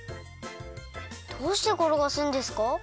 どうしてころがすんですか？